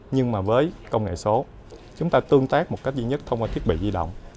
nhưng mà với công nghệ số chúng ta tương tác một cách duy nhất thông qua thiết bị di động